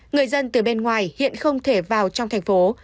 người dân từ bên ngoài hiện không thể vào trong thành phố